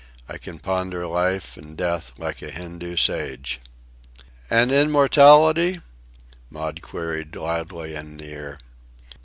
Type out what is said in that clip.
I can ponder life and death like a Hindoo sage." "And immortality?" Maud queried loudly in the ear.